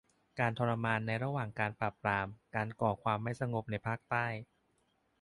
: การทรมานในระหว่างการปราบปรามการก่อความไม่สงบในภาคใต้